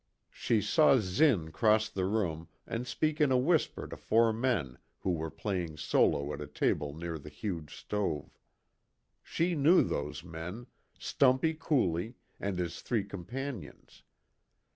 She saw Zinn cross the room and speak in a whisper to four men who were playing solo at a table near the huge stove. She knew those men, Stumpy Cooley, and his three companions.